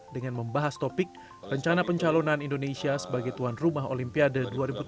dengan membahas topik rencana pencalonan indonesia sebagai tuan rumah olimpiade dua ribu tujuh belas